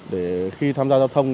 để khi tham gia giao thông